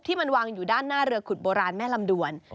มันวางอยู่ด้านหน้าเรือขุดโบราณแม่ลำดวน